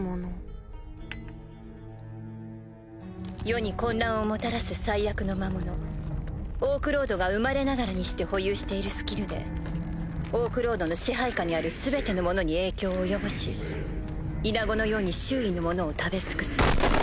世に混乱をもたらす災厄の魔物オークロードが生まれながらにして保有しているスキルでオークロードの支配下にある全ての者に影響を及ぼしイナゴのように周囲の者を食べ尽くす。